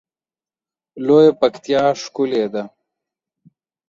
لویه پکتیا ښکلی ده